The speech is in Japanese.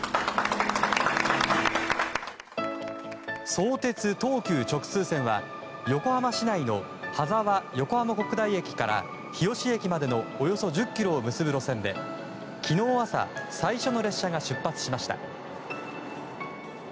相鉄・東急直通線は横浜市内の羽沢横浜国大駅から日吉駅までのおよそ１０ｋｍを結ぶ路線で昨日朝最初の列車が出発しました。